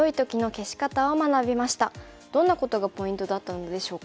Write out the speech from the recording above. どんなことがポイントだったのでしょうか。